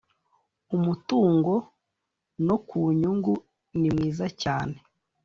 umutungo no ku nyungu nimwiza cyane